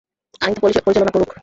আইন তা পরিচালনা করুক।